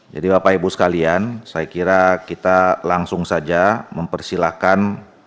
jadi bapak ibu sekalian saya kira kita langsung saja mempersilahkan